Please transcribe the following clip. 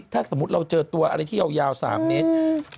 ถ้าสมมุติเราเจอตัวอะไรที่ยาว๓เมตร